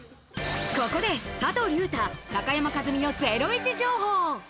ここで佐藤隆太、高山一実のゼロイチ情報。